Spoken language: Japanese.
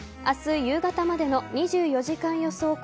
明日夕方までの２４時間予想